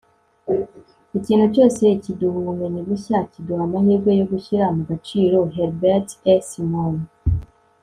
ikintu cyose kiduha ubumenyi bushya kiduha amahirwe yo gushyira mu gaciro. - herbert a. simon